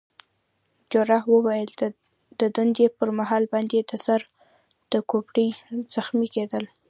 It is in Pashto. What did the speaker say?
جراح وویل: د دندې پر مهال باندي د سر د کوپړۍ زخمي کېدل.